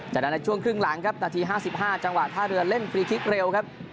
จากนั้นในช่วงครึ่งหลังครับนาที๕๕จังหวะท่าเรือเล่นฟรีคลิกเร็วครับ